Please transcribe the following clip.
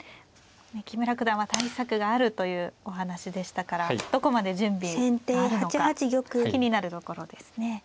木村九段は対策があるというお話でしたからどこまで準備があるのか気になるところですね。